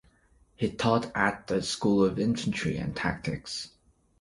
He taught at the School of Infantry and Tactics.